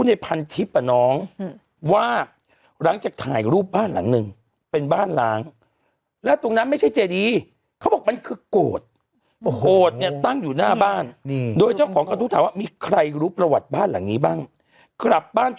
สามสิบกว่าปีนะฮะแต่ทุกวันนี้มันโดดโดดเดี่ยวบ้างนะมันดูอ้างวางมาก